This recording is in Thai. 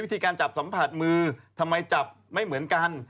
วิธีการจับสัมผัสมือทำไมจับไม่เหมือนกัน